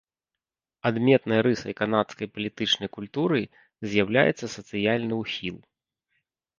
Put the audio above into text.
Адметнай рысай канадскай палітычнай культуры з'яўляецца сацыяльны ўхіл.